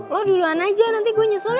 lo duluan aja nanti gue nyesel